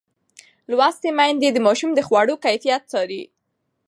لوستې میندې د ماشوم د خواړو کیفیت څاري.